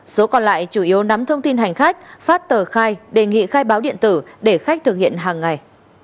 số còn lại chủ yếu nắm thông tin hành khách phát tờ khai đề nghị khai báo điện tử để khách thực hiện hàng ngày